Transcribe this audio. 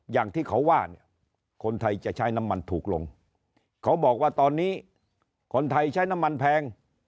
อย่างที่เขาว่าเนี่ยคนไทยจะใช้น้ำมันถูกลงเขาบอกว่าตอนนี้คนไทยใช้น้ำมันแพง